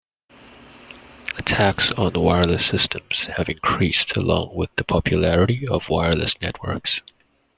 Attacks on wireless systems have increased along with the popularity of wireless networks.